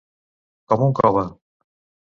Com un cove.